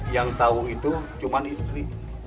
yang tahu itu cuma istri